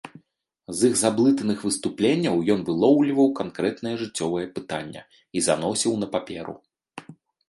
З іх заблытаных выступленняў ён вылоўліваў канкрэтнае жыццёвае пытанне і заносіў на паперу.